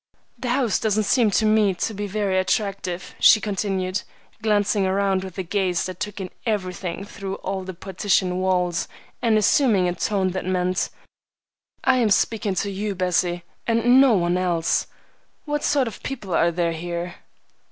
"The house doesn't seem to me to be very attractive," she continued, glancing around with a gaze that took in everything through all the partition walls, and assuming a tone that meant, "I am speaking to you, Bessie, and no one else." "What sort of people are there here?"